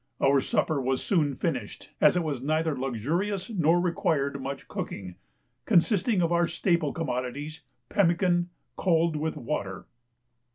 Our supper was soon finished, as it was neither luxurious nor required much cooking, consisting of our staple commodities pemmican "cold with water."